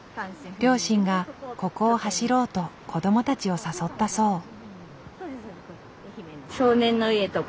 両親がここを走ろうと子供たちを誘ったそう。